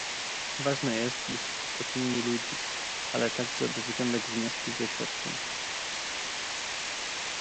Ważne jest, by słuchać opinii ludzi, ale także, by wyciągać wnioski z doświadczeń